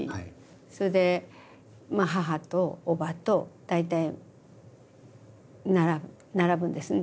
それで母とおばと大体並ぶんですね